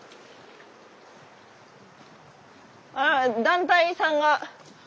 ああ団体さんが。